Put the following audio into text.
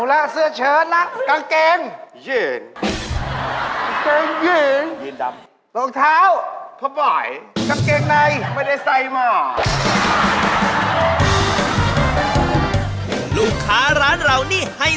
ถ้าเยอะก็อย่าพูดแบบนี้